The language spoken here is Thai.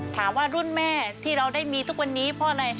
ถามว่ารุ่นแม่ที่เราได้มีทุกวันนี้เพราะอะไร